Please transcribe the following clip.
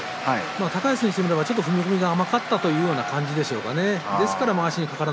高安については、ちょっと踏み込みが甘かったというところでしょうかね。